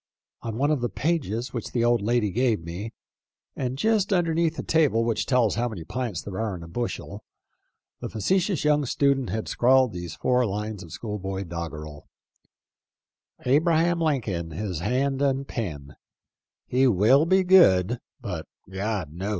On one of the pages which the old lady gave me, and just underneath the table which tells how many pints there are in a bushel, the facetious young student had scrawled these four lines of schoolboy doggerel :" Abraham Lincoln, His hand and pen, He will be good, But God knows when.''